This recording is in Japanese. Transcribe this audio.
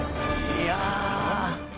いや。